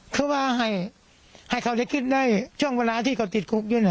คือว่าให้เขาได้ก็ได้ตอนสงครามที่เราติดกรุ๊กอยู่นะ